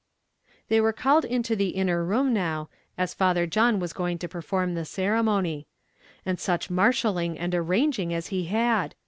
They were called into the inner room now, as Father John was going to perform the ceremony; and such marshalling and arranging as he had!